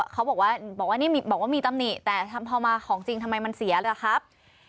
เขาบอกว่ามีตำหนิแต่พอมาของจริงทำไมมันเสียหรือครับ